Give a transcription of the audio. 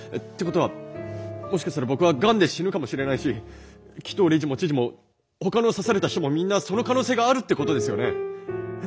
ってことはもしかしたら僕はがんで死ぬかもしれないし鬼頭理事も知事もほかの刺された人もみんなその可能性があるってことですよね。